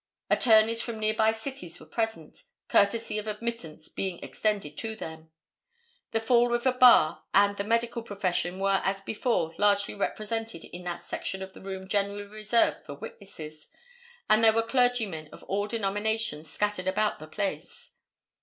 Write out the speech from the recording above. Attorneys from near by cities were present, courtesy of admittance being extended to them. The Fall River bar and the medical profession were as before largely represented in that section of the room generally reserved for witnesses, and there were clergymen of all denominations scattered about in the place.